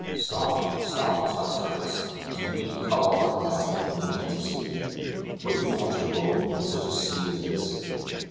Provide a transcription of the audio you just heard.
"Stop, stop," shouts Curtis; "do you mean to cut off our last and only chance of safety? Would you launch a boat in such a sea as this?"